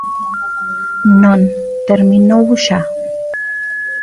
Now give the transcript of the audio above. Non, terminou xa.